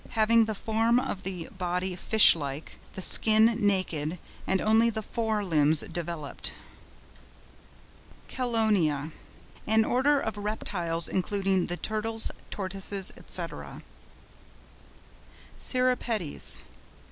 having the form of the body fish like, the skin naked, and only the fore limbs developed. CHELONIA.—An order of Reptiles including the Turtles, Tortoises, &c. CIRRIPEDES.